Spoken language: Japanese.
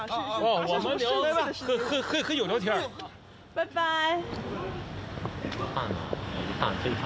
バイバイ！